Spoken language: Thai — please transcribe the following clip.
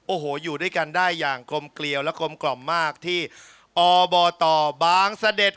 โอ้โหอยู่ด้วยกันได้อย่างกลมเกลียวและกลมกล่อมมากที่อบตบางเสด็จ